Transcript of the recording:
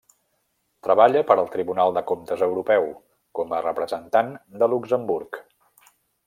Treballa per al Tribunal de Comptes Europeu, com a representant de Luxemburg.